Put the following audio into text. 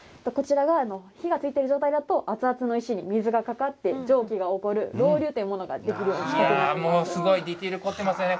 こちらが火がついている状態だと、熱々の石に水がかかって、蒸気が起こる、ロウリュウというものになっています。